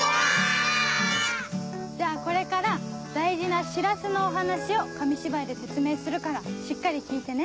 じゃあこれから大事な「しらす」のお話を紙芝居で説明するからしっかり聞いてね。